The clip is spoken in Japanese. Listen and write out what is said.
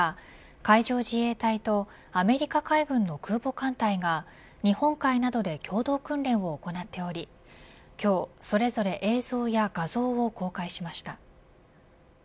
海上自衛隊とアメリカ海軍の空母艦隊が日本海などで共同訓練を行っており今日それぞれ映像や画像を公開しました。